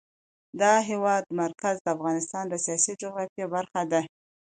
د هېواد مرکز د افغانستان د سیاسي جغرافیه برخه ده.